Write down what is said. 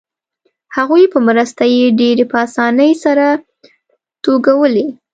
هغوی په مرسته یې ډبرې په اسانۍ سره توږلې.